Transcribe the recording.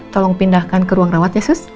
tolong pindahkan ke ruang rawat ya sus